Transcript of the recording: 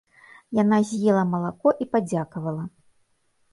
Яна з'ела малако і падзякавала.